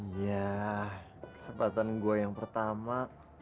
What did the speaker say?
ya kesempatan gue yang pertama